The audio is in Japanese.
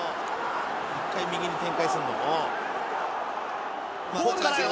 １回右に展開するのうん。